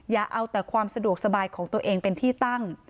อย่าเอาแต่ความสะดวกสบายของตัวเองเป็นที่ตั้ง